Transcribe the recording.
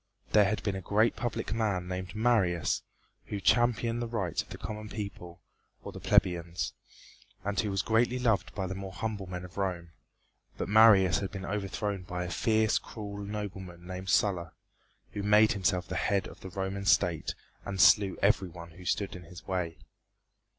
There had been a great public man named Marius who championed the rights of the common people, or the plebeians, and who was greatly loved by the more humble men of Rome, but Marius had been overthrown by a fierce, cruel nobleman named Sulla, who made himself the head of the Roman State and slew every one who stood in his way.